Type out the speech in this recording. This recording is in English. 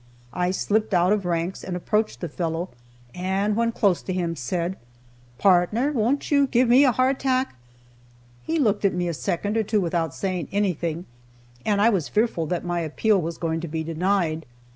I slipped out of ranks and approached the fellow, and when close to him said, "Partner, won't you give me a hardtack?" He looked at me a second or two without saying anything, and I was fearful that my appeal was going to be denied.